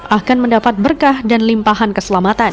akan mendapat berkah dan limpahan keselamatan